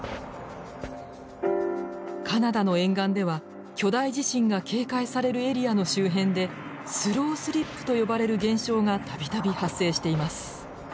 カナダの沿岸では巨大地震が警戒されるエリアの周辺でスロースリップと呼ばれる現象が度々発生しています。